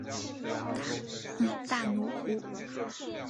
大奴湖。